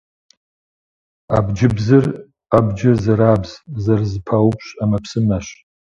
Абджыбзыр - абджыр зэрабз, зэрызэпаупщӏ ӏэмэпсымэщ.